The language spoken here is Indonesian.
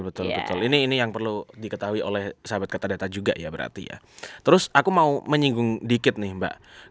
btw ini yang perlu diketahui oleh sahabat ktdata juga ya berarti ya terus aku mau menyinggung dikit nalia juga pada saat ini